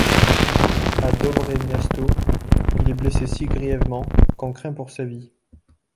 À Dobre Miasto, il est blessé si grièvement qu'on craint pour sa vie.